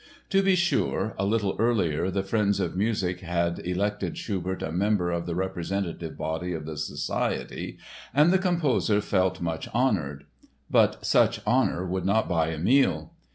To be sure, a little earlier the Friends of Music had elected Schubert a member of the Representative Body of the Society and the composer felt much honored. But such "honor" would not buy a meal.